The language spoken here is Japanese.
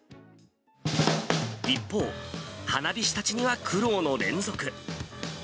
一方、花火師たちには苦労の連続。